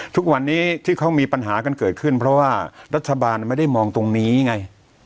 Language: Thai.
ทุกวันนี้ที่เขามีปัญหากันเกิดขึ้นเพราะว่ารัฐบาลไม่ได้มองตรงนี้ไง